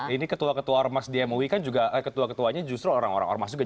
ini ketua ketua ormas di mui kan juga ketua ketuanya justru orang orang ormas juga